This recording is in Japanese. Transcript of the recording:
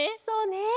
そうね。